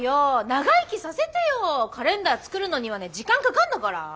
長生きさせてよカレンダー作るのにはね時間かかんだから。